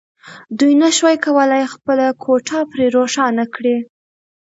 دوی نشوای کولای خپله کوټه پرې روښانه کړي